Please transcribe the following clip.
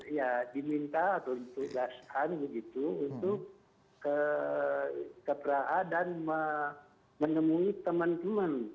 ya diminta atau tugaskan begitu untuk ke praha dan menemui teman teman